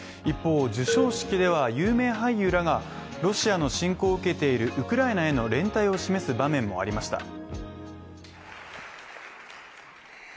一方、授賞式では有名俳優らがロシアの侵攻を受けているウクライナへの連帯を示す場面もありました。